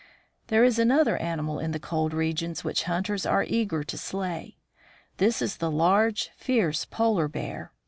There is another animal in the cold regions which hunters are eager to slay. This is the large, fierce polar bear.